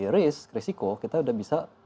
risk risiko kita udah bisa